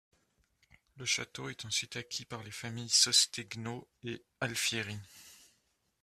Le château est ensuite acquis par les familles Sostegno et Alfieri.